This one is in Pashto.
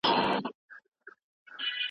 ما درته وېل چې ښار ته مه ځه